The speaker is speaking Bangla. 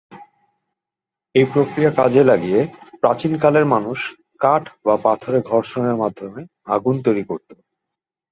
এই প্রক্রিয়া কাজে লাগিয়ে প্রাচীনকালের মানুষ কাঠ বা পাথরে ঘর্ষণের মাধ্যমে আগুন তৈরি করত।